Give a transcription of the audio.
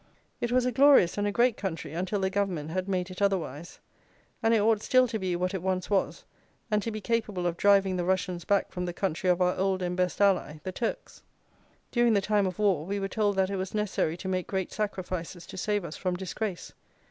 It was a glorious and a great country until the Government had made it otherwise; and it ought still to be what it once was, and to be capable to driving the Russians back from the country of our old and best ally the Turks. During the time of war, we were told that it was necessary to make great sacrifices to save us from disgrace.